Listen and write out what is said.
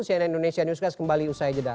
cnn indonesia newscast kembali usai jeda